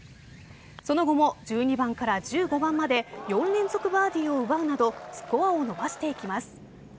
その後も１２番から１５番まで４連続バーディーを奪うなどスコアを伸ばしていきます。